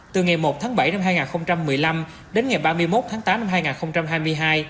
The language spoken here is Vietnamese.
từ ngày một tháng bảy năm hai nghìn một mươi năm đến ngày ba mươi một tháng tám năm hai nghìn hai mươi hai